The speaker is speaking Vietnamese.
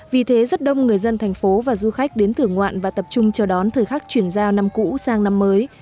vì thế rất đông người dân thành phố và du khách đến thưởng ngoạn và tập trung chờ đón thời khắc chuyển giao năm cũ sang năm mới